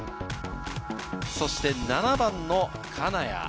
そして７番の金谷。